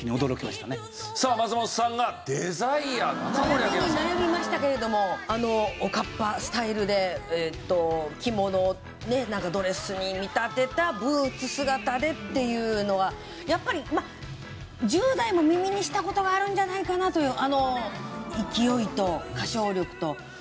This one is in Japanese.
悩みに悩みましたけれどもあのおかっぱスタイルで着物をドレスに見立てたブーツ姿でっていうのはやっぱり１０代も耳にした事があるんじゃないかなというあの勢いと歌唱力と。